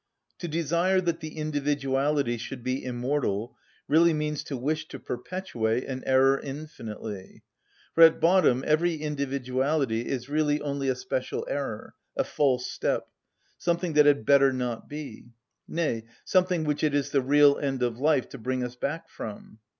To desire that the individuality should be immortal really means to wish to perpetuate an error infinitely. For at bottom every individuality is really only a special error, a false step, something that had better not be; nay, something which it is the real end of life to bring us back from.